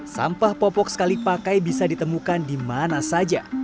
sampah popok sekali pakai bisa ditemukan di mana saja